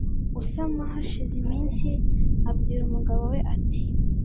gusama. hashize iminsi abwira umugabo we ati